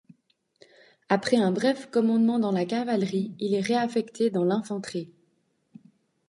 Après un bref commandement dans la cavalerie, il est réaffecté dans l'infanterie.